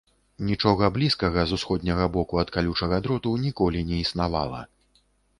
Нічога блізкага з усходняга боку ад калючага дроту ніколі не існавала.